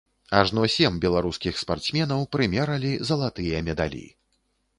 Ажно сем беларускіх спартсменаў прымералі залатыя медалі.